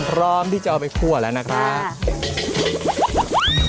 พร้อมที่จะเอาไปคั่วแล้วนะครับ